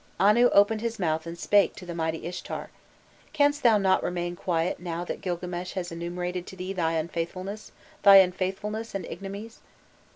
Anu opened his mouth and spake to the mighty Ishtar: 'Canst thou not remain quiet now that Gilgames has enumerated to thee thy unfaithfulnesses, thy unfaithfulnesses and ignominies?